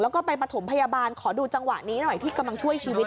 แล้วก็ไปประถมพยาบาลขอดูจังหวะนี้หน่อยที่กำลังช่วยชีวิต